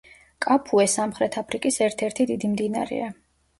კაფუე სამხრეთ აფრიკის ერთ-ერთი დიდი მდინარეა.